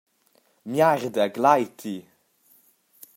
Miarda gleiti!